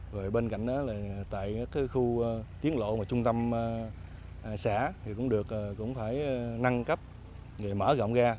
rồi bên cạnh đó là tại cái khu tiến lộ mà trung tâm xã thì cũng được cũng phải nâng cấp để mở rộng ra